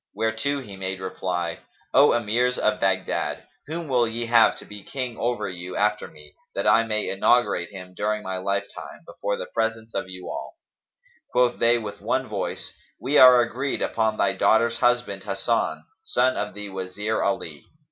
Whereto he made reply, "O Emirs of Baghdad, whom will ye have to be King over you after me, that I may inaugurate him during my lifetime, before the presence of you all?" Quoth they with one voice, "We are agreed upon thy daughter's husband Hasan, son of the Wazir Ali."